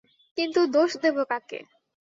কিন্তু, দোষ দেব কাকে।